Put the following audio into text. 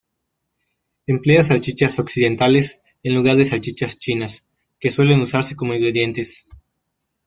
Emplea salchichas occidentales en lugar de salchichas chinas, que suelen usarse como ingredientes.